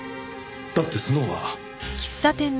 だってスノウは。